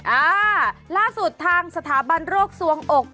อ่าล่าสุดทางสถาบันโรคสวงอก